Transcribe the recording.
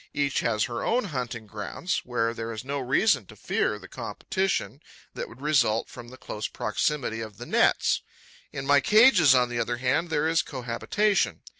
Each has her own hunting grounds, where there is no reason to fear the competition that would result from the close proximity of the nets. In my cages, on the other hand, there is cohabitation.